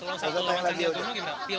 nggak usah tanya lagi